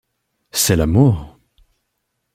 C’est l’amour.